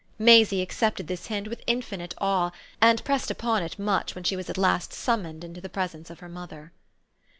Maisie accepted this hint with infinite awe and pressed upon it much when she was at last summoned into the presence of her mother.